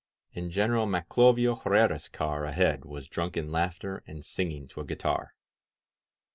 In General Maclovio Herrera's car ahead was drunken laughter and singing to a guitar.